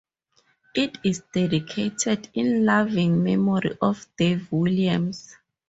It is dedicated "In Loving Memory of Dave Williams".